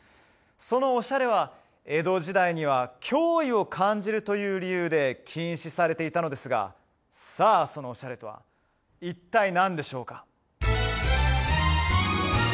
そのオシャレは江戸時代には脅威を感じるという理由で禁止されていたのですがさあそのオシャレとは一体何でしょうか？